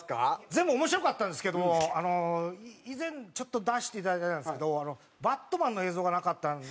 全部面白かったんですけども以前ちょっと出していただいてたんですけどバットマンの映像がなかった。